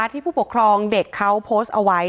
ผู้ปกครองเด็กเขาโพสต์เอาไว้